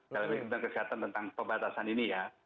dalam kesehatan tentang pembatasan ini ya